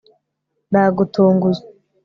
Nagutunguye